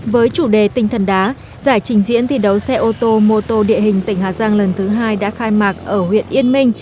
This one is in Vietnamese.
với chủ đề tinh thần đá giải trình diễn thi đấu xe ô tô mô tô địa hình tỉnh hà giang lần thứ hai đã khai mạc ở huyện yên minh